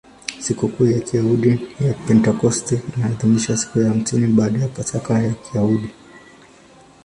Sikukuu ya Kiyahudi ya Pentekoste inaadhimishwa siku ya hamsini baada ya Pasaka ya Kiyahudi.